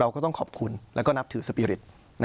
แล้วก็ต้องขอบคุณและนับถือสปิริต